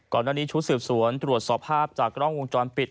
ก่อนหน้านี้ชุดสืบสวนตรวจสอบภาพจากกล้องวงจรปิด